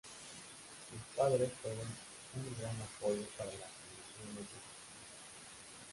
Sus padres fueron un gran apoyo para las ambiciones de sus hijas.